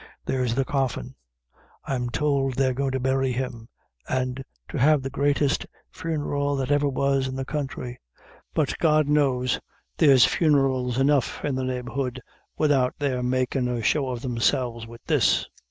There's the coffin. I'm tould they're goin' to bury him, and to have the greatest funeral that ever was in the counthry; but, God knows, there's funerals enough in the neighborhood widout their making a show of themselves wid this."